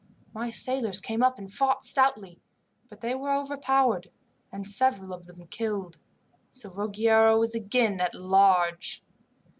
My sailors came up and fought stoutly, but they were overpowered, and several of them were killed; so Ruggiero is again at large.